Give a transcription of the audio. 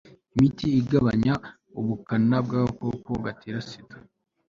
imiti igabanya ubukana bw agakoko gatera sida